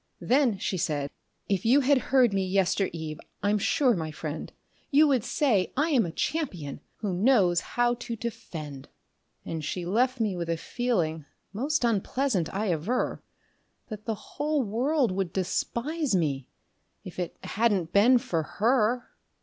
Then she said: "If you had heard me yestereve, I'm sure, my friend, You would say I am a champion who knows how to defend." And she left me with a feeling most unpleasant, I aver That the whole world would despise me if it hadn't been for her.